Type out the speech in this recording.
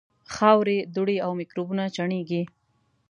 خاورې، دوړې او میکروبونه چاڼېږي.